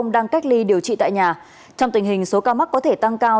đang cách ly điều trị tại nhà trong tình hình số ca mắc có thể tăng cao